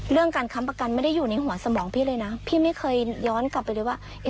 การค้ำประกันไม่ได้อยู่ในหัวสมองพี่เลยนะพี่ไม่เคยย้อนกลับไปเลยว่า